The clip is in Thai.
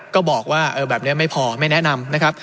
ก็บอกว่าแบบนี้ไม่พอไม่แนะนำนะครับ